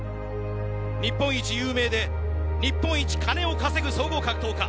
日本一有名で日本一金を稼ぐ総合格闘家。